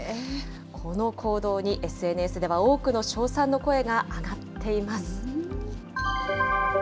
この行動に、ＳＮＳでは多くの称賛の声が上がっています。